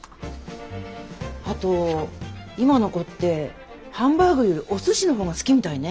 あと今の子ってハンバーグよりお寿司のほうが好きみたいね。